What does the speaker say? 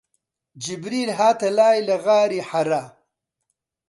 جیبریل هاتە لای لە غاری حەرا